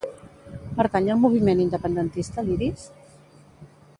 Pertany al moviment independentista l'Iris?